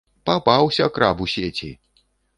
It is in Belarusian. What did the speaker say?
Папаўся краб у сеці!